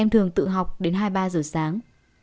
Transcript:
tự học đến hai mươi ba h sáng